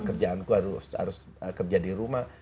kerjaanku harus kerja di rumah